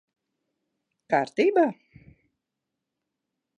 Kārtībā?